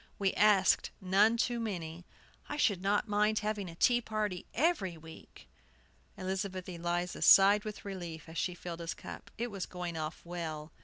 We asked none too many. I should not mind having a tea party every week." Elizabeth Eliza sighed with relief as she filled his cup. It was going off well.